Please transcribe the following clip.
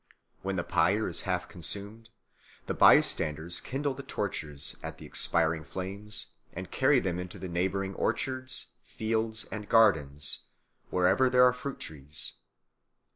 When the pyre is half consumed, the bystanders kindle the torches at the expiring flames and carry them into the neighbouring orchards, fields, and gardens, wherever there are fruit trees.